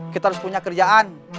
kita harus punya kerjaan